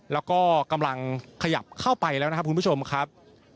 แล้วก็กำลังขยับเข้าไปแล้วนะครับคุณผู้ชมครับ